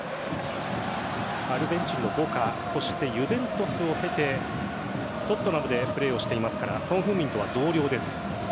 アルゼンチンのボカユヴェントスを経てトットナムでプレーをしていますからソン・フンミンとは同僚です。